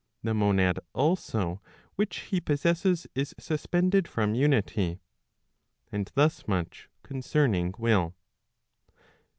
The monad also which he possesses is suspended from unity. And thus much concerning will.